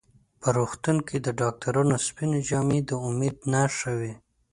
په روغتون کې د ډاکټرانو سپینې جامې د امید نښه وي.